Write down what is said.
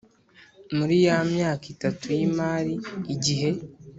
Muri ya myaka itatu y imari igihe